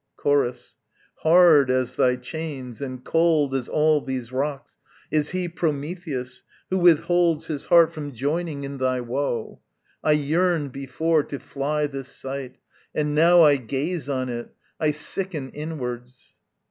Chorus. Hard as thy chains and cold as all these rocks Is he, Prometheus, who withholds his heart From joining in thy woe. I yearned before To fly this sight; and, now I gaze on it, I sicken inwards.